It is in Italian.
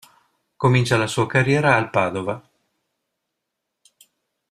Comincia la sua carriera al Padova.